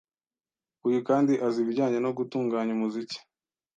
uyu kandi azi ibijyanye no gutunganya umuziki